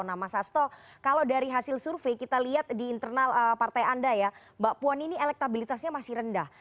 nah mas asto kalau dari hasil survei kita lihat di internal partai anda ya mbak puan ini elektabilitasnya masih rendah